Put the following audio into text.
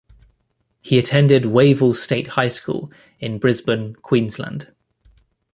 He attended Wavell State High School in Brisbane, Queensland.